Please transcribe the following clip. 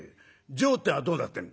上ってのはどうなってんだ？」。